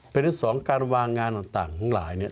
เป็นที่สองการวางงานต่างหลายเนี่ย